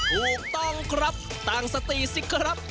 ถูกต้องครับตั้งสติสิครับ